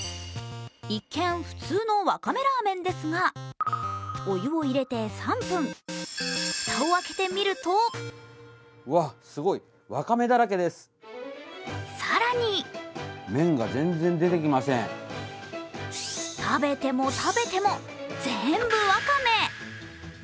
一見、普通のわかめラーメンですがお湯を入れて３分、蓋を開けてみると更に食べても食べても全部わかめ。